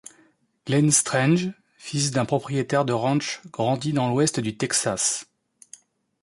Glenn Strange, fils d'un propriétaire de ranch, grandit dans l'ouest du Texas.